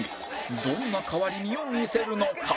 どんな変わり身を見せるのか？